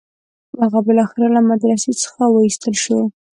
هغه بالاخره له مدرسې څخه وایستل شو.